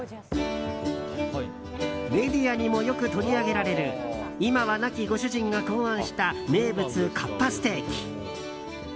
メディアにもよく取り上げられる今は亡きご主人が考案した名物かっぱステーキ。